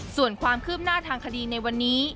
ส่วนความคืบหน้าทางคดีในวันนี้